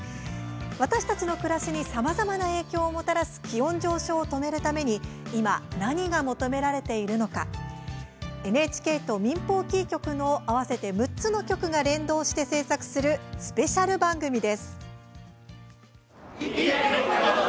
私たちの暮らしにさまざまな影響をもたらす気温上昇を止めるために今、何が求められているのかＮＨＫと民放キー局の合わせて６つの局が連動して制作するスペシャル番組です。